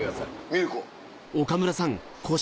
ミルコ。